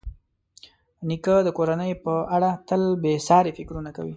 نیکه د کورنۍ په اړه تل بېساري فکرونه کوي.